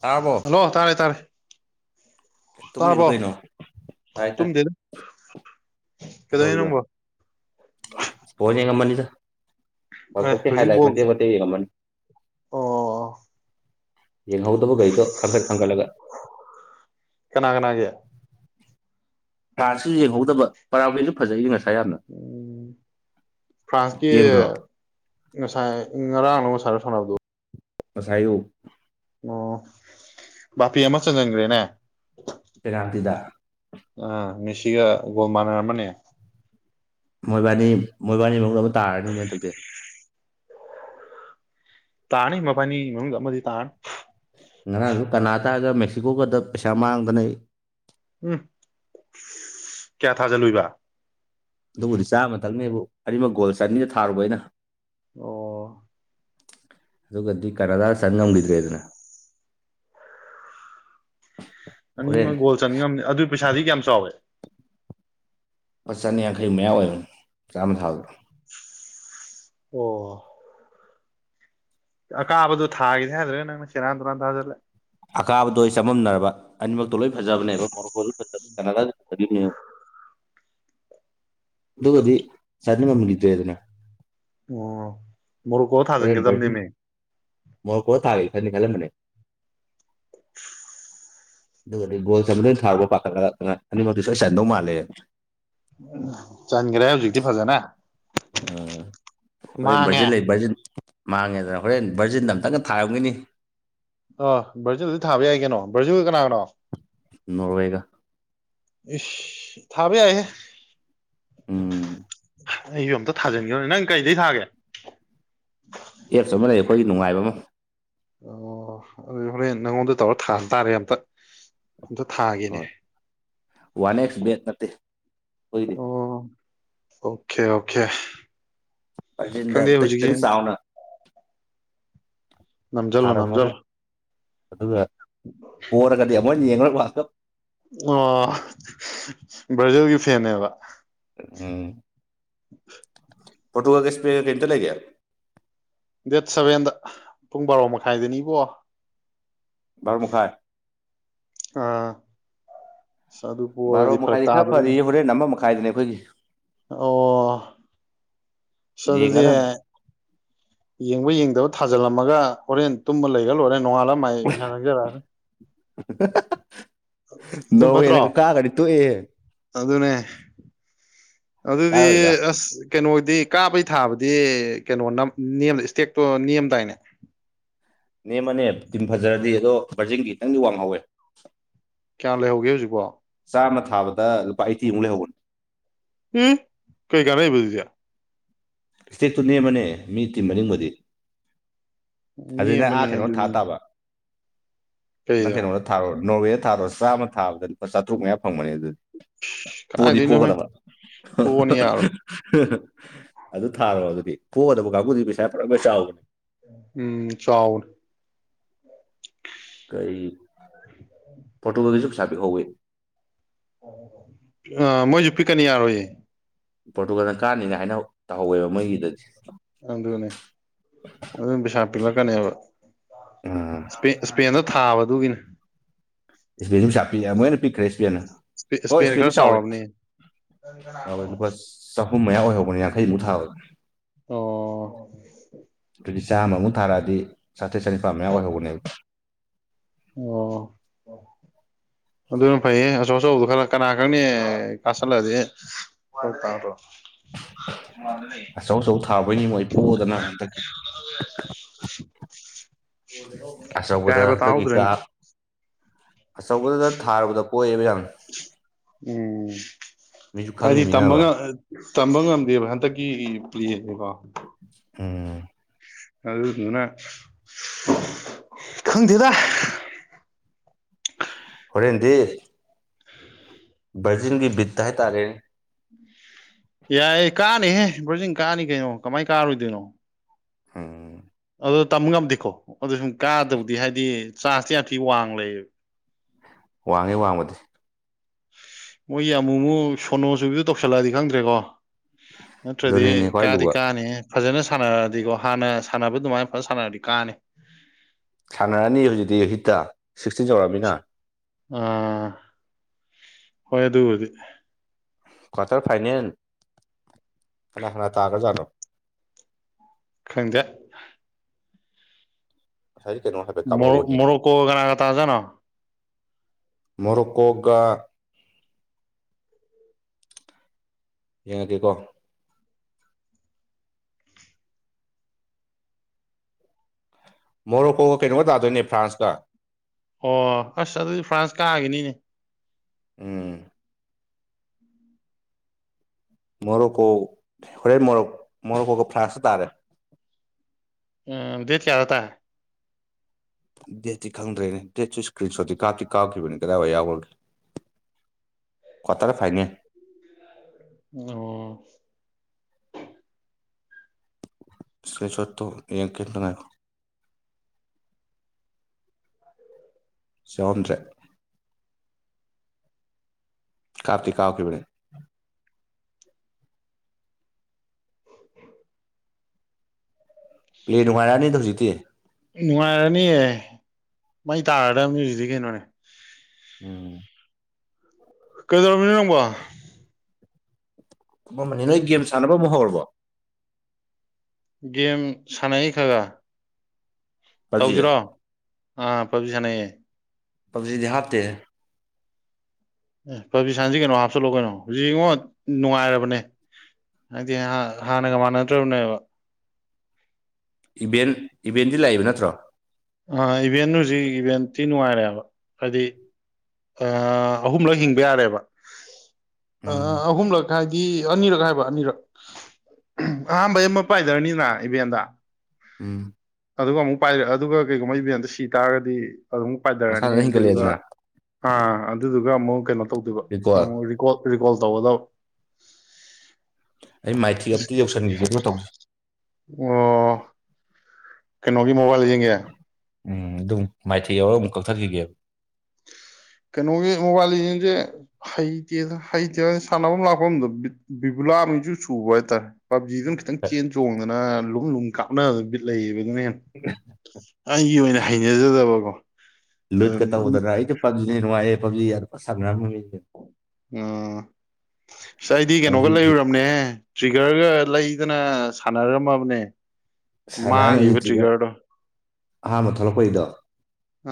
ꯇꯥꯕꯣ ꯍꯜꯂꯣ ꯇꯥꯔꯦ ꯇꯥꯔꯦ ꯇꯨꯝꯃꯤꯔꯣ ꯇꯥꯔꯕꯣ ꯀꯩꯅꯣ ꯇꯥꯏ ꯇꯥꯏ ꯇꯨꯝꯗꯦꯗ ꯀꯩꯗꯧꯅꯣ ꯅꯪꯕꯣ ꯐꯣꯅꯤ ꯌꯦꯉ ꯃꯅꯤꯗ ꯐ ꯑꯦ ꯄꯣꯛ ꯀꯩ ꯈꯥꯏ ꯍꯧꯖꯤꯛ ꯂꯦ ꯕꯣꯜ ꯃꯗꯤꯦ ꯇ ꯍꯒ ꯃꯅꯤ ꯑꯣ ꯌꯦꯡꯍꯧꯗꯕ ꯒꯥꯔꯤꯗꯣ ꯈꯪꯈꯠ ꯈꯪꯒꯠꯂꯒ ꯀꯅꯥ ꯀꯅꯥꯒꯤ ꯀꯥꯁꯤꯁꯨ ꯌꯦꯡꯍꯧꯗꯕ ꯄꯔꯥꯕꯦꯁꯨ ꯐꯖꯩ ꯉꯁꯥꯏ ꯌꯥꯝꯅ ꯎꯝ ꯐ꯭ꯔꯥꯟꯁꯀꯤ ꯌꯦꯡꯗ꯭ꯔꯣ ꯉꯁꯥꯏ ꯉꯔꯥꯡꯅ ꯉꯁꯥꯅ ꯁꯥꯟꯅꯕꯗꯣ ꯉꯁꯥꯏꯌꯨ ꯑꯣ ꯚꯄꯦ ꯑꯃ ꯆꯪꯁꯤꯟꯈ꯭ꯔꯦꯅꯦ ꯁꯦꯅꯞꯇꯤꯗ ꯑ ꯃꯤꯁꯤꯒ ꯒꯣꯜ ꯃꯥꯟꯅꯔ ꯑꯃꯅꯦ ꯃꯣꯏꯕꯥꯅꯤ ꯃꯣꯏꯕꯥꯅꯤ ꯐꯗ ꯑꯃ ꯇꯥꯔꯅꯤꯅꯦ ꯍ ꯅꯛꯇꯦ ꯇꯥꯅꯤ ꯃꯕꯥꯅꯤ ꯃꯅꯨꯡꯗ ꯑꯃꯗꯤ ꯇꯥꯅꯤ ꯉꯔꯥꯡꯁꯨ ꯀꯅꯥꯇꯥꯒ ꯃꯦꯛꯁꯤꯀꯣꯒꯗ ꯄꯩꯁꯥ ꯃꯥꯡꯗꯅ ꯎꯝ ꯀꯌꯥ ꯊꯥꯖꯜꯂꯨꯏꯕ ꯑꯗꯨꯕꯨꯗꯤ ꯆꯥꯝꯃ ꯊꯛꯅꯤꯕꯨ ꯑꯅꯤꯃꯛ ꯒꯣꯜ ꯆꯟꯅꯤꯗ ꯊꯥꯔꯨꯕ ꯑꯩꯅ ꯑꯣ ꯑꯗꯨꯒꯗꯤ ꯀꯅꯥꯗꯥ ꯆꯟ ꯉꯝꯈꯤꯗ꯭ꯔꯦꯗꯅ [unintelligible] ꯍꯣꯔꯦꯟ ꯑꯅꯤꯃꯛ ꯒꯣꯜ ꯆꯟ ꯉꯝꯅꯤ ꯑꯗꯨꯒꯤ ꯄꯩꯁꯥꯗꯤ ꯀꯌꯥꯝ ꯆꯥꯎꯋꯦ ꯑ ꯆꯅꯤꯌꯥꯡꯈꯩ ꯃꯌꯥ ꯑꯣꯏꯕ ꯆꯥꯝꯃ ꯊꯥꯗ ꯑꯣ ꯑ ꯀꯥꯕꯗꯨ ꯊꯥꯈꯤꯗꯦ ꯍꯥꯏꯗ꯭ꯔꯦ ꯅꯪꯅ ꯁꯦꯔꯥꯟ ꯇꯨꯔꯥꯟ ꯊꯥꯖꯤꯜꯂꯦ ꯑꯀꯥꯕꯗꯣ ꯑꯩ ꯆꯃꯝꯅꯔꯕ ꯑꯅꯤꯃꯛꯇꯣ ꯂꯣꯏ ꯐꯖꯕꯅꯦ ꯎꯝ ꯀꯅꯥ ꯑꯗꯨꯒꯗꯤ ꯆꯅꯤ ꯃꯃꯤꯇꯦꯗꯅ ꯑꯣ ꯃꯣꯔꯣꯛꯀꯣ ꯑꯣꯁꯤ ꯊꯥꯖꯤꯟꯒꯗꯕꯅꯦꯃꯦ ꯃ ꯀ ꯇꯥꯔꯤ ꯈꯅꯤ ꯈꯂꯦ ꯃꯅꯦ ꯑꯗꯨꯒꯗꯤ ꯒꯣꯜ ꯆꯟꯕꯗ ꯑꯣꯏꯅ ꯊꯥꯔꯨꯒ ꯄꯥꯈꯠꯂꯒ ꯑꯅꯤꯃꯛꯇꯤꯁꯨ ꯑꯩ ꯆꯅꯗꯧ ꯃꯥꯜꯂꯦ ꯎꯝ ꯆꯟꯈ꯭ꯔꯦ ꯍꯧꯖꯤꯛꯇꯤ ꯐꯖꯅ ꯑ ꯃꯥꯡꯉꯦ ꯍꯣꯏꯖꯦꯠ ꯂꯩꯠ ꯃꯥꯡꯉꯦꯗꯅ ꯍꯣꯔꯦꯟ ꯚꯔꯖꯤꯟꯗ ꯑꯝꯇꯪꯒ ꯊꯥꯔꯝꯒꯅꯤ ꯑ ꯚꯥꯔꯖꯜꯗꯨꯗꯤ ꯊꯥꯕ ꯌꯥꯏ ꯀꯩꯅꯣ ꯚꯔꯖꯨꯜ ꯀꯅꯥ ꯀꯅꯣ ꯅꯣꯔꯋꯦꯒ ꯏ ꯊꯥꯕꯦ ꯌꯥꯍꯦ ꯎꯝ ꯑꯩꯁꯨ ꯑꯃꯝꯇ ꯊꯥꯖꯤꯟꯈꯤꯕꯣꯅꯦ ꯅꯪ ꯀꯩꯗꯩ ꯊꯥꯒꯦ ꯑꯦꯞꯁ ꯑꯃ ꯂꯩ ꯑꯩꯈꯣꯏꯒꯤ ꯅꯨꯡꯉꯥꯏꯕ ꯑꯃ ꯑꯣ ꯑꯗꯨ ꯍꯣꯔꯦꯟ ꯅꯪꯉꯣꯟꯗ ꯇꯧꯔ ꯊꯥꯇꯥꯥꯔꯦ ꯑꯝꯇ ꯑꯝꯇ ꯊꯥꯒꯦꯅꯦ ꯍꯣꯏ ꯋꯥꯟ ꯑꯦꯛꯁ ꯕꯦꯠ ꯅꯠꯇꯦ ꯈꯣꯏꯗꯤ ꯑꯣ ꯑꯣꯀꯦ ꯑꯣꯀꯦ ꯄꯆꯗ ꯈꯪꯗꯦ ꯍꯧꯖꯤꯛꯁꯦ ꯑꯪ ꯁꯥꯥꯎꯅ ꯅꯝꯁꯤꯜꯂꯣ ꯊꯥꯔꯝꯃꯒ ꯅꯝꯁꯤꯜꯂꯣ ꯑꯗꯨꯒ ꯀꯔꯒꯗꯤ ꯑꯃꯨꯛꯅ ꯌꯦꯡꯂꯡꯉꯒ ꯂꯀꯞ ꯑꯣ ꯕ꯭ꯔꯥꯖꯤꯜꯒꯤ ꯐꯦꯟꯅꯦꯕ ꯑꯝ [inaudible] ꯄꯣꯔꯇꯨꯒꯜꯒ ꯁꯄꯦꯟꯒ ꯀꯩ ꯅꯨꯃꯤꯠꯇ ꯂꯩꯒꯦ ꯗꯦꯠ ꯁꯚꯦꯟꯗ ꯄꯨꯡ ꯕꯥꯔꯣ ꯃꯈꯥꯏꯗꯅꯤ ꯏꯕꯣ ꯕꯔꯣ ꯃꯈꯥꯏ ꯑꯥ ꯑꯁ ꯑꯗꯨꯕꯨ ꯑꯣꯏꯔꯗꯤ ꯐꯔꯛ ꯇꯥꯗ ꯑꯗꯨꯝ ꯍꯨꯔꯦꯟ ꯑꯃ ꯃꯈꯥꯏꯗꯅꯦ ꯑꯩꯈꯣꯏꯒꯤ ꯑꯣ ꯁꯣ ꯑꯗꯨꯗꯤ ꯌꯦꯡꯒꯗꯕꯅꯤ ꯌꯦꯡꯕ ꯌꯦꯡꯗꯕ ꯊꯥꯖꯤꯜꯂꯝꯃꯒ ꯍꯣꯔꯦꯟ ꯇꯨꯝꯃ ꯂꯩꯒ ꯂꯣꯏꯔꯦ ꯅꯣꯡꯉꯥꯜꯂ ꯃꯥꯥꯏ ꯄꯩꯁꯥ ꯆꯪꯖꯔꯛꯑꯅꯤ ꯑꯗꯨꯝ ꯐꯠꯇ꯭ꯔꯣ ꯅꯣꯔꯋꯦꯅꯒ ꯀꯥꯒꯗꯤ ꯇꯣꯛꯑꯦ ꯑꯗꯨꯅꯦ ꯑꯗꯨꯗꯤ ꯀꯥꯔꯣꯏꯗ ꯑꯁ ꯀꯩꯅꯣꯗꯤ ꯀꯥꯕꯩ ꯊꯥꯕꯗꯤ ꯀꯩꯅꯣ ꯏꯁꯇꯦꯛꯇꯣ ꯅꯦꯝꯗꯥꯏꯅꯦ ꯅꯦꯝꯕꯅꯦ ꯇꯤꯝ ꯐꯖꯔꯗꯤ ꯑꯗꯣ ꯕꯔꯖꯤꯜꯒꯤ ꯈꯤꯇꯪꯗꯤ ꯋꯥꯡꯍꯧꯋꯦ ꯀꯌꯥꯝ ꯂꯩꯍꯧꯒꯦ ꯍꯧꯖꯤꯛꯄꯣ ꯆꯥꯝꯃ ꯊꯥꯕꯗ ꯂꯨꯄꯥ ꯑꯩꯇꯤꯃꯨꯛ ꯂꯩꯍꯧꯕꯅꯤ ꯎ ꯀꯩ ꯀꯥꯟꯅꯩꯕ ꯑꯗꯨꯗꯤ ꯏꯁꯇꯦꯛꯇꯨ ꯅꯦꯝꯕꯅꯦ ꯃꯤ ꯇꯤꯝ ꯃꯅꯤꯡꯕꯨꯗꯤ ꯑꯗꯨꯅ ꯅꯦꯝꯕꯅꯦ ꯑꯥ ꯀꯩꯅꯣ ꯊꯥ ꯑꯗꯨꯅꯤ ꯇꯥꯕ ꯅꯪ ꯀꯩꯗ ꯀꯩꯅꯣꯗ ꯊꯥꯔꯣ ꯅꯣꯔꯋꯦꯗ ꯊꯥꯔꯣ ꯆꯥꯝꯃ ꯊꯥꯕꯗꯗꯤ ꯂꯨꯄꯥ ꯆꯥꯇ꯭ꯔꯨꯛ ꯃꯌꯥ ꯐꯪꯕꯅꯦ ꯑꯗꯨꯗꯤ ꯄꯣꯗꯤ ꯀꯥꯏꯗꯩꯅꯣꯍꯦ ꯄꯣꯒꯗꯕ ꯐꯨꯑꯣꯅ ꯌꯥꯔꯣꯏ ꯑꯗꯨ ꯊꯥꯔꯣ ꯑꯗꯨꯗꯤ ꯄꯣꯒꯗꯕ ꯀꯥꯡꯕꯨꯗꯨꯗꯤ ꯄꯩꯁꯥ ꯄꯨꯂꯞ ꯑꯃ ꯆꯥꯎꯕꯅꯤ ꯎꯝ ꯆꯥꯎꯕꯅꯤ ꯀꯩ ꯄꯣꯔꯇꯨꯒꯜꯒꯤꯁꯨ ꯄꯩꯁꯥ ꯄꯤꯛꯍꯧꯋꯤ ꯑꯣ ꯃꯣꯏꯁꯨ ꯄꯤꯛꯀꯅꯤ ꯌꯥꯔꯣꯏꯌꯦ ꯄꯣꯔꯇꯨꯒꯜꯅ ꯀꯥꯅꯤꯅ ꯍꯥꯏꯅ ꯇꯥꯍꯧꯋꯦꯕ ꯃꯣꯏꯒꯤꯗꯗꯤ ꯑꯗꯨꯅꯦ ꯑꯗꯨꯝ ꯄꯩꯁꯥ ꯄꯤꯂꯛꯀꯅꯦꯕ ꯎꯝ ꯏꯁꯄꯦꯟꯗ ꯊꯥꯕ ꯑꯗꯨꯒꯤꯅꯤ ꯏꯁꯄꯦꯟꯖꯨ ꯄꯩꯁꯥ ꯄꯤꯛꯑꯦ ꯑꯃꯨꯛ ꯍꯦꯟꯅ ꯄꯤꯛꯈ꯭ꯔꯦ ꯏꯁꯄꯦꯟꯅ ꯍꯣꯏ ꯏꯁꯄꯦꯟ ꯈꯔ ꯏꯁꯄꯦꯟꯗꯤ ꯆꯥꯎꯋꯦ ꯆꯥꯎꯔꯕꯅꯦ ꯆꯥꯎꯋꯦ ꯂꯨꯄꯥ ꯆꯍꯨꯝ ꯃꯌꯥ ꯑꯣꯏꯍꯧꯕꯅꯦ ꯌꯥꯡꯈꯩꯃꯨꯛ ꯊꯥꯕꯗ ꯑꯣ ꯑꯗꯨꯗꯤ ꯆꯥꯝꯃꯨꯛ ꯊꯥꯔꯛꯑꯗꯤ ꯆꯥꯇ꯭ꯔꯦ ꯆꯅꯤꯄꯥꯥꯟ ꯃꯌꯥ ꯑꯣꯏꯍꯧꯕꯅꯦꯕ ꯑꯣ ꯑꯗꯨꯅ ꯐꯩꯌꯦ ꯑꯆꯧ ꯑꯆꯧꯕꯗꯨꯣ ꯈꯔ ꯀꯅꯥ ꯈꯪꯅꯤ ꯀꯥꯁꯜꯂꯗꯤ ꯍꯣꯏ ꯇꯥꯕꯔꯣ ꯑꯆꯧ ꯑꯆꯧ ꯊꯥꯕꯩꯅꯤ ꯃꯣ ꯑꯩ ꯄꯣꯗꯅ ꯍꯟꯗꯛꯀꯤ ꯀꯩ ꯑꯆꯧꯕꯗ ꯍꯥꯏꯕ ꯇꯥꯍꯧ ꯍꯟꯗꯛꯀꯤ ꯑꯆꯧꯕꯗꯨꯗ ꯊꯥꯔꯨꯕꯗ ꯄꯣꯏꯌꯦꯕ ꯌꯥꯝꯅ ꯎꯝ ꯃꯤꯁꯨ ꯍꯥꯏꯗꯤ ꯇꯝꯕ ꯈꯪꯉꯤꯃꯤꯅꯕ ꯇꯝꯕ ꯉꯝꯗꯦꯕ ꯍꯟꯗꯛꯀꯤ ꯄ꯭ꯂꯦꯗꯣꯀꯣ ꯎꯝ ꯑꯗꯨꯗꯨꯅ ꯈꯪꯗꯦꯗ ꯍꯣꯔꯦꯟꯗꯤ ꯕꯔꯖꯤꯟꯒꯤ ꯕꯤꯠꯇ ꯍꯥꯏꯇꯥꯔꯦꯅꯦ ꯎꯝ ꯌꯥꯏꯌꯦ ꯀꯥꯅꯤꯍꯦ ꯕ꯭ꯔꯖꯤꯟ ꯀꯥꯅꯤ ꯀꯩꯅꯣ ꯀꯃꯥꯏꯅ ꯀꯥꯔꯣꯏꯗꯣꯏꯅꯣ ꯑꯝ ꯑꯗꯨ ꯇꯝꯕ ꯉꯝꯗꯦꯀꯣ ꯑꯗꯨꯗ ꯁꯨꯝ ꯀꯥꯗꯕꯗꯤ ꯍꯥꯏꯗꯤ ꯆꯥꯟꯁꯇꯤ ꯌꯥꯝ ꯊꯤ ꯋꯥꯡ ꯂꯩꯌꯦꯕ ꯋꯥꯡꯉꯦ ꯋꯥꯡꯕꯗꯤ ꯃꯣꯏꯒꯤ ꯑꯃꯨꯃꯨꯛ ꯁꯣꯅꯣꯁꯨꯨꯕꯤꯗꯨ ꯇꯧꯁꯜꯂꯛꯑꯗꯤ ꯈꯪꯗ꯭ꯔꯦꯀꯣ ꯅꯠꯇ꯭ꯔꯗꯤ ꯑꯗꯨꯅꯤꯅꯦ ꯈ꯭ꯋꯥꯏ ꯀꯥꯗꯤ ꯂꯨꯕ ꯀꯥꯅꯤ ꯐꯖꯅ ꯁꯥꯟꯅꯔꯗꯤꯀꯣ ꯍꯥꯟꯅ ꯁꯥꯟꯅꯕ ꯑꯗꯨꯃꯥꯏꯅ ꯐꯖꯅ ꯁꯥꯟꯅꯔꯗꯤ ꯀꯥꯟꯅꯤ ꯁꯥꯟꯅꯔꯅꯤ ꯍꯧꯖꯤꯛꯇꯤ ꯍꯤꯠꯇ ꯁꯤꯛꯁꯇꯤꯟ ꯌꯧꯔꯃꯤꯅ ꯑꯥ ꯍꯣꯏ ꯑꯗꯨꯕꯨꯔꯗꯤ ꯀ꯭ꯋꯥꯇꯔ ꯐꯥꯏꯅꯦꯜ ꯀꯅꯥ ꯀꯅꯥ ꯇꯥꯒ꯭ꯔꯖꯥꯠꯅꯣ ꯈꯪꯖꯦ ꯍꯥꯏꯥꯏ ꯀꯩꯅꯣ ꯍꯥꯏꯐꯦꯠ ꯃ ꯀꯥꯞꯍꯧꯕꯅꯤ ꯃꯔ ꯀꯣ ꯀꯅꯥ ꯀ ꯇꯖꯅꯣ ꯃꯔꯛꯀꯣꯒ ꯌꯦꯡꯉꯒꯦꯀꯣ ꯃꯣꯔꯣꯀꯣꯒ ꯀꯩꯅꯣꯒ ꯇꯥꯗꯣꯏꯅꯦ ꯐ꯭ꯔꯥꯟꯁꯀ ꯑꯣ ꯑꯁ ꯑꯗꯨꯗꯤ ꯐ꯭ꯔꯥꯟꯁ ꯀꯥꯑꯒꯅꯤꯅꯦ ꯎꯝ ꯃꯣꯔꯣꯛꯀꯣꯛ ꯍꯣꯔꯦꯟ ꯃꯣꯔꯣꯛ ꯃꯣꯔꯣꯛꯀꯣꯛꯀ ꯐ꯭ꯔꯥꯁꯨ ꯇꯥꯔꯦ ꯎꯝ ꯗꯠ ꯀꯌꯥꯗꯇꯥ ꯗꯦꯠꯇꯤ ꯈꯪꯗ꯭ꯔꯦꯅꯦ ꯗꯦꯠꯁꯨ ꯏꯁꯀ꯭ꯔꯤꯟ ꯁꯣꯠꯇꯤ ꯀꯥꯞꯇꯤ ꯀꯥꯎꯈꯤꯕꯅꯤ ꯀꯗꯥꯏꯋꯥꯏ ꯌꯥꯎꯈ꯭ꯔꯒꯦ ꯀ꯭ꯋꯥꯇꯥꯔ ꯐꯥꯏꯅꯦ ꯑꯣꯝ ꯏꯁꯀ꯭ꯔꯔꯤꯠ ꯁꯣꯠꯇꯣ ꯌꯦꯡ ꯀꯦꯟ ꯇ ꯉꯥꯏꯔꯣ ꯁꯦ ꯍꯟꯗ꯭ꯔꯦꯠ ꯀꯔꯇꯤ ꯀꯥꯥꯎꯀꯤ ꯔꯦ ꯄ꯭ꯂꯦ ꯅꯨꯡꯉꯥꯏꯔꯛꯑꯅꯤꯗ ꯍꯧꯖꯤꯛꯇꯤ ꯅꯨꯡꯉꯥꯏꯔꯅꯤꯌꯦ ꯃꯩ ꯇꯥꯔꯗꯕꯅꯤ ꯍꯧ ꯑꯗꯨꯗꯤ ꯀꯩꯅꯣꯅꯦ ꯎꯝ ꯀꯗꯔꯃꯤꯅ ꯅꯪꯕꯣ ꯃꯃꯅꯦ ꯅꯣꯏ ꯒꯦꯝ ꯁꯥꯟꯅꯕ ꯑꯃ ꯍꯧꯔꯕꯣ ꯒꯦꯝ ꯁꯥꯟ ꯈꯥ ꯄꯞꯖꯤ ꯇꯧꯁꯤꯔꯣ ꯑꯥ ꯄꯕꯤ ꯁꯥꯟꯅꯩꯌꯦ ꯄꯞꯖꯤꯗꯤ ꯍꯥꯇꯦ ꯑꯦ ꯐꯕꯤ ꯁꯟꯁꯤ ꯀꯩꯅꯣ ꯍꯥꯞꯆꯜꯂꯣ ꯀꯩꯅꯣ ꯍꯧꯖꯤꯛ ꯌꯦꯡꯉꯣ ꯅꯨꯡꯉꯥꯏꯔꯕꯅꯦ ꯍꯥꯏꯗꯤ ꯍꯥꯟꯅꯒ ꯃꯥꯟꯅꯗ꯭ꯔꯕꯅꯦꯕ ꯏꯚꯦꯟ ꯏꯚꯦꯟꯗꯤ ꯂꯥꯛꯏꯕ ꯅꯠꯇ꯭ꯔꯣ ꯑ ꯏꯚꯦꯟ ꯍꯧꯖꯤꯛ ꯏꯚꯦꯟꯇꯤ ꯅꯨꯡꯉꯥꯏꯔꯦꯕ ꯍꯥꯏꯗꯤ ꯑꯍꯨꯝꯂꯛ ꯍꯤꯡꯕ ꯌꯥꯔꯦꯕ ꯎꯝ ꯑꯍꯨꯝꯂꯛ ꯗꯤ ꯑꯅꯤꯔꯛ ꯍꯥꯏꯕ ꯑꯅꯤꯔꯛ ꯑꯍꯥꯝꯕꯩ ꯑꯃ ꯄꯥꯏꯗꯔꯅꯤꯅ ꯏꯚꯦꯟꯗ ꯎꯝ ꯑꯗꯨꯒ ꯑꯃꯨꯛ ꯄꯥꯏꯔ ꯑꯗꯨꯒ ꯀꯩꯒꯨꯝꯕ ꯏꯕ ꯑꯇ ꯁꯤ ꯇꯥꯔꯒꯗꯤ ꯑꯗꯨꯃꯨꯛ ꯄꯥꯏꯊꯔꯅꯤ ꯃꯁꯥꯟꯅ ꯑꯗꯨꯗꯨꯒ ꯍꯦꯟꯒꯠꯂꯛꯑꯦꯗꯅ ꯑꯥ ꯑꯗꯨꯗꯨꯒ ꯑꯃꯨꯛ ꯀꯩꯅꯣ ꯇꯧꯗꯣꯏꯕ ꯔꯤꯀꯣꯜ ꯑꯃꯨꯛꯀꯣ ꯔꯤꯀꯣꯜ ꯇꯧꯒꯗꯕ ꯑꯩ ꯃꯥꯏꯊꯤ ꯑꯝꯇ ꯌꯧꯁꯤꯟꯈꯤꯒꯦꯗꯣ ꯇꯧꯁ ꯑꯣ ꯀꯩꯅꯣꯒꯤ ꯃꯣꯕꯥꯏꯜ ꯂꯩ ꯌꯦꯡꯒꯦ ꯎꯝ ꯑꯗꯨꯝ ꯃꯥꯏꯊꯩ ꯌꯥꯎꯔꯒ ꯑꯃꯨꯛ ꯀꯛꯊꯈꯤꯒꯦꯕ ꯀꯩꯅꯣꯒꯤ ꯃꯣꯕꯥꯏꯜꯡꯁꯦ ꯍꯩꯇꯦ ꯍꯩꯇꯦꯅ ꯁꯥꯟꯅꯐꯝ ꯂꯥꯛꯐꯝꯗꯣꯕꯤ ꯕꯤꯕꯨꯂꯥꯅꯤꯁꯨ ꯆꯨꯕ ꯍꯥꯏꯇꯥꯔꯦ ꯄꯞꯖꯤꯗꯨꯅ ꯈꯤꯇꯪ ꯆꯦꯟ ꯆꯣꯡꯗꯅ ꯂꯨꯝ ꯂꯨꯝ ꯀꯥꯞꯅ ꯕꯤꯠ ꯂꯩꯌꯦꯕ ꯑꯗꯨꯅꯦ ꯍ ꯑꯩꯒꯤ ꯑꯣꯏꯅ ꯍꯩꯅꯖꯗꯕꯀꯣ ꯂꯨꯠꯀ ꯇꯧꯗꯅ ꯑꯩꯣ ꯄꯕꯖꯤꯅꯦ ꯅꯨꯡꯉꯥꯏꯌꯦ ꯄꯕꯖꯤ ꯌꯥꯔ ꯁꯥꯟꯅꯔꯝꯃꯤ ꯃꯤ ꯎꯝ ꯑꯁ ꯑꯩꯗꯤ ꯀꯩꯅꯣꯒ ꯄꯞꯖꯤꯒꯤ ꯂꯩꯔꯨꯔꯕꯅꯦꯍꯦ ꯇ꯭ꯔꯤꯒꯔꯒ ꯂꯩꯗꯅ ꯁꯥꯟꯅꯔꯝꯃꯕꯅꯦ ꯁꯥꯟꯅꯔꯝꯃꯤ ꯑꯩꯖꯨ ꯃꯥꯡꯈꯤꯕ ꯇ꯭ꯔꯤꯒꯔ ꯇ꯭ꯔꯤꯒꯔꯗꯣ ꯑꯍꯥꯟꯕ ꯊꯣꯛꯂꯛꯄꯩꯗꯣ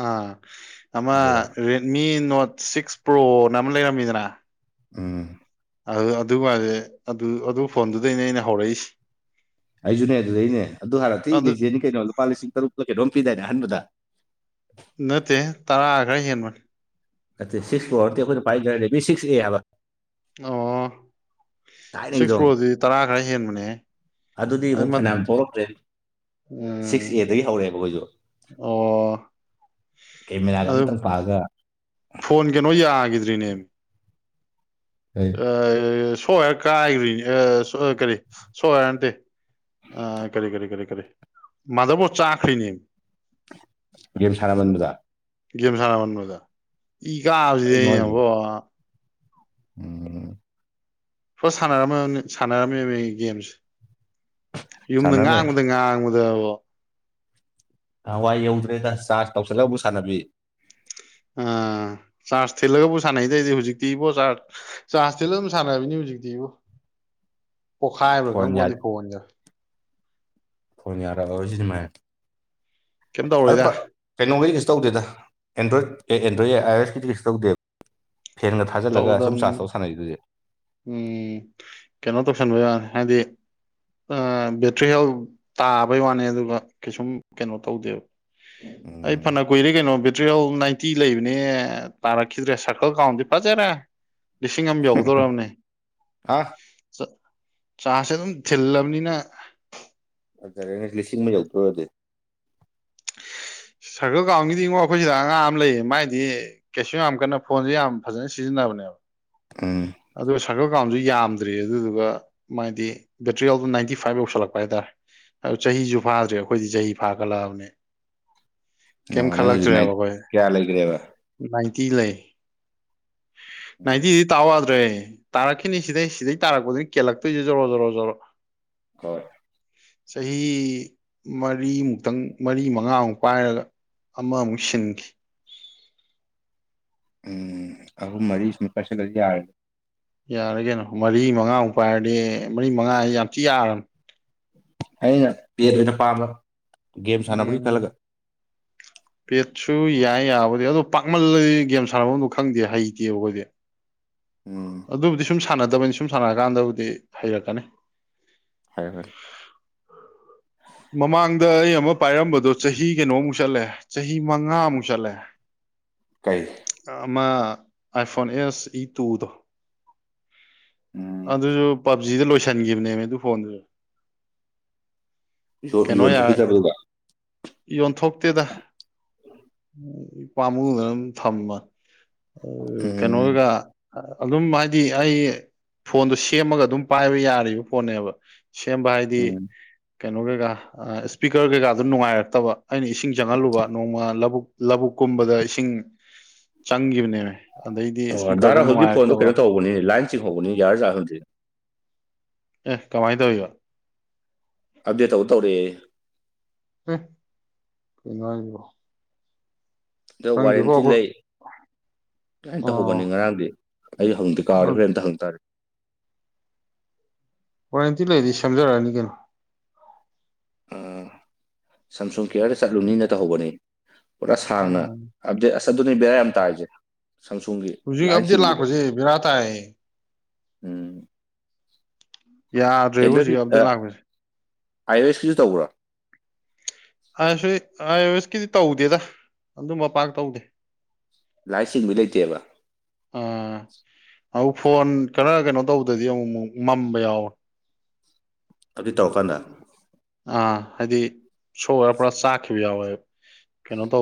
ꯑꯥ ꯑꯃ ꯑꯗꯨꯗ ꯔꯦꯠꯃꯤ ꯅꯣꯠ ꯁꯤꯛꯁ ꯄ꯭ꯔꯣꯅ ꯑꯃ ꯂꯩꯔꯝꯃꯤꯗꯅ ꯎꯝ ꯑꯗꯨ ꯑꯗꯨꯀꯥꯟꯗꯩ ꯑꯗꯨ ꯑꯗꯨ ꯐꯣꯟꯗꯨꯗꯩꯅꯦ ꯑꯩꯅ ꯍꯧꯔꯛꯏꯁꯤ ꯑꯩꯁꯨꯅꯦ ꯑꯗꯨꯗꯩꯅꯦ ꯑꯗꯨ ꯍꯥꯟꯅ ꯊꯤ ꯑꯗꯨ ꯂꯩꯖꯦꯟꯅꯤ ꯀꯩꯅꯣ ꯂꯨꯄꯥ ꯂꯤꯁꯤꯡ ꯇꯔꯨꯛꯇ ꯀꯩꯅꯣꯝ ꯄꯤꯗꯥꯏꯅꯦ ꯑꯍꯟꯕꯗ ꯅꯠꯇꯦꯍꯦ ꯇꯔꯥ ꯈꯔ ꯍꯦꯟꯕꯅꯤ ꯅꯠꯇꯦ ꯁꯤꯛꯁ ꯄꯔꫭ ꯅꯠꯇꯦ ꯑꯩꯈꯣꯏꯅ ꯄꯥꯏꯗꯨꯅ ꯔꯦꯠꯃꯤ ꯁꯤꯛꯁ ꯑꯦ ꯍꯥꯏꯕ ꯑꯣ ꯁꯤꯛꯁ ꯊꯥꯏꯅꯒꯤꯗꯣ ꯄ꯭ꯔꯣꯗꯤ ꯇꯔꯥ ꯈꯔ ꯍꯦꯟꯕꯅꯦꯍꯦ ꯑꯗꯨꯗꯤ ꯑꯃꯨꯛ ꯑꯗꯨ ꯐꯅꯌꯥꯝ ꯊꯣꯛꯂꯛꯇ꯭ꯔꯦ ꯁꯤꯛꯁ ꯑꯦꯗꯒꯤ ꯍꯧꯔꯛꯑꯦꯕ ꯑꯩꯈꯣꯏꯁꯨ ꯑꯣ ꯀꯦꯃꯦꯔꯥꯒ ꯑꯗꯨ ꯑꯃꯇꯪ ꯄꯥꯜꯂꯒ ꯐꯣꯟ ꯀꯩꯅꯣ ꯌꯥꯒꯤꯗ꯭ꯔꯤꯅꯦ ꯑ ꯁꯣꯞ ꯋꯌꯔ ꯀꯥꯏꯒꯔꯤꯅꯤ ꯑ ꯁꫭꯏꯔꯦ ꯀꯔꯤ ꯁꯣꯞ ꯋꯌꯔ ꯅꯠꯇꯦ ꯑ ꯀꯔꯤ ꯀꯔꯤ ꯀꯔꯤ ꯀꯔꯤ ꯃꯥꯗꯔꯕꯣꯠ ꯆꯥꯛꯈꯔꯤꯅꯦ ꯒꯦꯝ ꯁꯥꯟꯅꯃꯟꯕꯗ ꯒꯦꯝ ꯁꯥꯟꯅꯃꯟꯕꯗ ꯏ ꯀꯥꯕꯁꯤꯗꯤ ꯀꯩꯅꯣ ꯍꯥꯏꯁꯦ ꯑꯩꯅꯕꯣ ꯎꯝ ꯐꯥ ꯁꯥꯟꯅꯔꯝꯃꯝꯅꯤ ꯁꯥꯟꯅꯔꯝꯃꯤꯕ ꯒꯦꯝꯁꯦ ꯌꯨꯝꯗ ꯁꯥꯟꯅꯔꯝꯃꯦ ꯉꯥꯡꯕꯗ ꯉꯥꯡꯕꯗꯕꫭ ꯅꯍꯥꯟꯋꯥꯏ ꯌꯧꯗ꯭ꯔꯦꯗ ꯆꯥꯔꯁ ꯇꯧꯁꯤꯜꯂꯒꯕꯨ ꯁꯥꯟꯅꯕꯤ ꯑ ꯆꯥꯔꯁ ꯊꯤꯜꯂꯒꯕꯨ ꯁꯥꯟꯅꯩꯗ ꯑꯩꯗꯤ ꯍꯧꯖꯤꯛꯇꯤ ꯏꯕꯣ ꯆꯥꯔꯁ ꯆꯥꯔꯁ ꯇꯤꯜꯂ ꯑꯗꯨꯝ ꯁꯥꯟꯅꯕꯤꯅꯤ ꯍꯧꯖꯤꯛꯇꯤꯕꫭ ꯄꯣꯈꯥꯏꯕ꯭ꯔ ꯈꯪ ꯐꯣꯟ ꯌꯥ ꯄꫭꯟꯇꯦ ꯐꯣꯟꯒ ꯐꯣꯟ ꯌꯥꯗꯕꯁꯤ ꯑꯗꯨꯃꯥꯏ ꯀꯩꯝ ꯑꯗꯨ ꯇꯧꯔꯣꯏꯗ ꯀꯩꯅꯣꯒꯤꯗꯤ ꯀꯩꯁꯨ ꯇꯧꯗꯦꯗ ꯑꯦꯟꯗ꯭ꯔꯣꯠ ꯑꯦ ꯑꯦꯟꯗ꯭ꯔꯣꯠ ꯑ ꯌꯦ ꯑꯥꯏ ꯑꫭ ꯑꯦꯁꯀꯤꯗꯤ ꯀꯩꯁꯨ ꯇꯗꯦ ꯐꯦꯟꯒ ꯊꯥꯖꯜꯂꯒ ꯁꯨꯝ ꯆꯥꯔꯁ ꯇꯧꯗꯕꯅꯤ ꯇꯧ ꯁꯥꯟꯅꯩꯗꯨꯗꯤ ꯎꯝ ꯀꯩꯅꯣ ꯇꯧꯁꯟꯕ ꯌꯥꯅꯤ ꯍꯥꯏꯗꯤ ꯑ ꯕꯦꯇ꯭ꯔꯤ ꯍꯦꯜ ꯇꯥꯕꯩ ꯋꯥꯅꯦ ꯑꯗꯨꯒ ꯀꯩꯁꯨꯝ ꯀꯩꯅꯣ ꯇꯧꯗꯦꯕ ꯎ [unintelligible] ꯑꯩ ꯎꯝ ꯐꯅ ꯀꯨꯏꯔꯦ ꯀꯩꯅꯣ ꯕꯦꯇꯔꯤꯍꯦꯜ ꯅꯥꯏꯟꯇꯤ ꯂꯩꯕꯅꯦ ꯇꯥꯔꯛꯈꯤꯗ꯭ꯔꯦ ꯁꯔꯀꯜ ꯀꯥꯎꯟꯗꯤ ꯐꯖꯔꯦ ꯎ [inaudible] ꯂꯤꯁꯤꯡ ꯑꯃ ꯌꯧꯗꫭꯔꯝꯅꯦ ꯑꯥ ꯆꯥ ꯆꯔꯥꯁꯁꯦ ꯑꯗꯨꯝ ꯊꯤꯜꯂꯕꯅꯤꯅ ꯐꯖꯔꯦꯅꯦ ꯂꯤꯁꯤꯡ ꯑꯃ ꯌꯧꯗ꯭ꯔꫭꯗꯤ [inaudible] ꯁꯔꯀꯜ ꯀꯒꯥꯎꯟꯒꯤꯗꯤꯉꯣ ꯑꯩꯈꯣꯏꯁꯤꯗ ꯑꯉꯥꯡ ꯑꯃ ꯂꯩꯌꯦ ꯃꯥꯏꯗꯤ ꯀꯩꯁꯨ ꯌꯥꯝ ꯀꯟꯅ ꯐꯣꯟꯖꯩ ꯌꯥꯝ ꯐꯖꯅ ꯁꯤꯖꯤꯟꯅꯕꯅꯦꯕ ꯎꯝ ꯑꯗꯨ ꯁꯔꯀꯜ ꯀꯥꯎꯟꯖꯨ ꯌꯥꯝꯗ꯭ꯔꯤ ꯑꯗꯨꯗꯨꯒ ꯃꯥꯗꯤ ꯕꯦꯇꯔꯤꯍꯦꯜꯗꫭ ꯅꯥꯏꯟꯇꯤ ꯐꯥꯏꯞ ꯌꯧꯁꯜꯂꯛꯄ ꯍꯥꯏꯇꯥꯔꯦ ꯑꯗꯨ ꯆꯍꯤꯖꯨ ꯐꯥꯗ꯭ꯔꯤ ꯑꯩꯈꯣꯏꯗꯤ ꯆꯍꯤ ꯐꯥꯒꯠꯂꯛꯑꯕꯅꯤ ꯀꯩꯝ ꯑꯣ ꯅꯪ ꯍꯧꯖꯤꯛ ꯈꯜꯂꯛꯇ꯭ꯔꯦꯕ ꯅꯥꯏꯠ ꯑꯩꯈꯣꯏ ꯀꯌꯥ ꯂꯩꯈ꯭ꯔꯦꯕ ꯅꯥꯏꯟꯇꯤ ꯂꯩ ꯎꯝ ꯅꯥꯏꯟꯇꯤꯗꯤ ꯇꯥꯎ ꯌꯥꯗ꯭ꯔꯦ ꯇꯥꯔꯛꯈꯤꯅꯤ ꯁꯤꯗꯩ ꯁꯤꯗꯩ ꯇꯥꯔꯛꯄꯗꯩ ꯀꯦꯜꯂꯛꯇꯣꯏꯖꯤ ꯖꯔꯣ ꯖꯔꯣꯖꯔꯣ ꯍꯣꯏ ꯆꯍꯤ ꯃꯔꯤꯃꯨꯛꯇꯪ ꯃꯔꯤ ꯃꯪꯉꯥꯃꯨꯛ ꯄꯥꯏꯔꯒ ꯑꯃꯃꯨꯛ ꯁꯤꯟꯒꯦ ꯎꯝ ꯑꯍꯨꯝ ꯃꯔꯤ ꯁꯨꯝ ꯀꯥꯏꯁꯤꯜꯂ ꯌꯥꯔꯅꯤ ꯌꯥꯔꯦ ꯀꯩꯅꯣ ꯃꯔꯤ ꯃꯪꯉꯥꯃꯨꯛ ꯄꯥꯏꯔꯗꯤ ꯃꯔꯤ ꯃꯪꯉꯥꯁꯤꯖꯩ ꯌꯥꯝꯊꯤ ꯌꯥꯔꯝꯅꯤ ꯑꯩꯅ ꯄꯦꯠ ꯑꯣꯏꯅ ꯄꯥꯝꯕ ꯒꯦꯝ ꯁꯥꯟꯅꯕꯒꯤ ꯎꯝ ꯈꯜꯂꯒ ꯄꯦꯠꯁꯨ ꯌꯥꯏ ꯌꯥꯕꯗꯤ ꯑꯗꯣ ꯄꯥꯛꯃꯜꯂꯗꯤ ꯒꯦꯝ ꯁꯥꯟꯅꯐꯝꯗ ꯈꯪꯗꯦ ꯍꯩꯇꯦꯕ ꯑꯩꯈꯣꯏꯗꯤ ꯎꯝ ꯑꯗꯨꯕꯨꯗꯤ ꯁꯨꯝ ꯁꯥꯟꯅꯗꯕꯅꯤ ꯁꯨꯝ ꯁꯥꯟꯅꯔꯀꯥꯟꯗꯕꯨꯗꯤ ꯍꯩꯔꯛꯀꯅꯤ꯫ ꯍꯥꯏ ꯍꯣꯏ ꯃꯃꯥꯡꯗ ꯑꯩ ꯑꯃ ꯄꯥꯏꯔꯝꯕꯗꯣ ꯆꯍꯤ ꯀꯩꯅꯣꯃꯨꯛ ꯆꯠꯂꯦ ꯆꯍꯤ ꯃꯉꯥꯃꯨꯛ ꯆꯠꯂꯦ꯫ ꯀꯩ ꯑꯃ ꯑꯥꯏꯐꯣꯟ ꯑꯦꯁ ꯏ ꯇꯨꯗꯣ ꯎꯝ ꯑꯗꯨꯁꯨ ꯄꯞꯖꯤꯗ ꯂꯣꯏꯁꯤꯟꯈꯤꯕꯅꯦꯕ ꯑꯗꯨ ꯐꯣꯟꯗꯨꯁꯨ ꯀꯩꯅꯣ ꯌꯥ ꯌꯣꯟꯊꯣꯛꯈꯤꯗ꯭ꯔꯕꯗꯨꯒ ꯌꯣꯟꯊꯣꯛꯇꯦꯗ ꯏꯄꯥꯝꯃꯨꯗꯨꯗꯅ ꯑꯗꯨꯝ ꯊꯝꯕ ꯎꯝ ꯀꯩꯅꯣꯒ ꯑꯗꯨꯝ ꯍꯥꯏꯗꯤ ꯑꯩ ꯐꯣꯟꯗꯣ ꯁꯦꯝꯃꯒ ꯑꯗꯨꯝ ꯄꯥꯏꯕ ꯌꯥꯔꯤꯕ ꯐꯣꯟꯅꯦꯕ ꯁꯦꯝꯕ ꯍꯥꯏꯗꯤ ꯎꯝ ꯀꯩꯅꯣꯒꯩꯒ ꯏꯁꯄꯤꯀꯔ ꯀꯩꯀꯥꯗꯨ ꯅꯨꯡꯉꯥꯏꯔꯛꯇꯕ ꯑꯩꯅ ꯏꯁꯤꯡ ꯆꯪꯍꯜꯂꯨꯕ ꯅꯣꯡꯃ ꯂꯧꯕꯛ ꯂꯧꯕꯛ ꯀꯨꯝꯕꯗ ꯏꯁꯤꯡ ꯆꯪꯈꯤꯕꯅꯦꯕ ꯑꯣ ꯙꯔꯥ ꯍꯧꯖꯤꯛ ꯐꯣꯟꯗꯣ ꯀꯩꯅꯣ ꯇꯧꯕꯅꯤ ꯂꯥꯏꯟ ꯆꯤꯡꯍꯧꯕꯅꯤ ꯌꯥꯔ ꯖꯥꯠ ꯈꯪꯗꯦ꯫ ꯑꯦ ꯀꯃꯥꯏꯅ ꯇꯧꯔꯤꯕ ꯑꯞꯗꯦꯠ ꯇꯧ ꯇꯧꯔꯛꯑꯦ꯫ ꯀꯅꯣꯔꯤꯕꯣ ꯗ ꯋꯥꯔꯦꯟꯇꯤ ꯑꯩꯈꯣꯏ ꯂꯩ꯫ ꯀꯃꯥꯏ ꯇꯍꯧꯕꯅꯤ ꯑꯣ ꯉꯔꯥꯡꯗꯤ ꯑꯩ ꯍꯪꯗꯤꯦ ꯀꯥꯔꯦ ꯍꯣꯔ ꯑꯝꯇ ꯍꯪꯇꯥꯔꯦ꯫ ꯋꯥꯔꯦꯟꯇꯤ ꯂꯩꯗꯤ ꯁꯦꯝꯖꯔꯛꯑꯅꯤ ꯀꯩꯅꯣ ꯑꯥ ꯁꯝꯁꯨꯡ ꯀꯦꯌꯔꯗ ꯆꯠꯂꯨꯅꯤꯅ ꯇꯧꯍꯧꯕꯅꯤ ꯄꯨꯔꯥ ꯁꯥꯡꯅ ꯎꯝ ꯑꯞꯗꯦ ꯑꯁ ꯑꯗꯨꯅꯤ ꯕꯦꯔꯥ ꯌꯥꯝ ꯇꯥꯔꯤꯁꯦ ꯁꯪꯁꯨꯡꯒꯤ ꯍꯧꯖꯤꯛ ꯑꯞꯗꯦꯠ ꯂꯥꯛꯄꯁꯦ ꯕꯦꯔꯥ ꯇꯥꯏ ꯎꯝ ꯌꯥꯗ꯭ꯔꯦꯕ ꯑꯦꯟꯗ꯭ꯔꯣꯏꯀꯤ ꯍꯧꯖꯤꯛ ꯑꯞꯗꯦꯠ ꯂꯥꯛꯄꯁꯦ ꯑꯥꯏ ꯑꯦꯁꯀꯤꯁꯨ ꯇꯧꯕ꯭ꯔꯥ ꯑ ꯑꯥꯋꯦꯁꯀꯤꯗꯤ ꯇꯧꯗꯦꯗ ꯑꯗꯨ ꯃꯄꯥꯛ ꯇꯧꯗꯦ꯫ ꯂꯥꯏꯁꯤꯡꯕꯩ ꯂꯩꯇꯦꯕ ꯑꯥ ꯑꯃꯨꯛ ꯐꯣꯟ ꯈꯔ ꯀꯩꯅꯣ ꯇꯧꯕꯗꯗꯤ ꯑꯃꯨꯛ ꯑꯃꯨꯛ ꯃꯝꯕ ꯌꯥꯎꯕ ꯑꯗꯨꯏ ꯇꯧꯔꯀꯥꯟꯗ ꯑꯥ ꯍꯥꯏꯗꯤ ꯁꯣꯔꯔ ꯄꯨꯔꯥ ꯆꯥꯈꯤꯕ ꯌꯥꯎꯋꯦ ꯀꯩꯅꯣ ꯇꯧꯕ